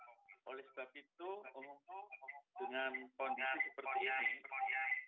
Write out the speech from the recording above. nah oleh sebab itu dengan kondisi seperti ini